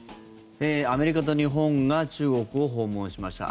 アメリカと日本が中国を訪問しました。